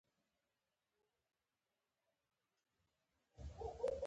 د انسان عقل او وجدان لا تر اوسه بې ساري دی.